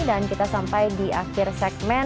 dan kita sampai di akhir segmen